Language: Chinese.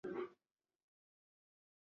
玫瑰琵鹭会在丛林或树上筑巢。